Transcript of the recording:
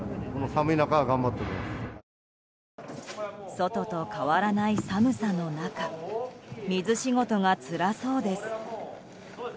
外と変わらない寒さの中水仕事がつらそうです。